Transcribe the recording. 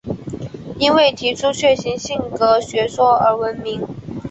因为提出血型性格学说而闻名。